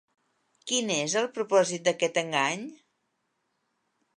Quin és el propòsit d'aquest engany?